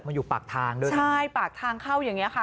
มันอยู่ปากทางด้วยนะใช่ปากทางเข้าอย่างนี้ค่ะ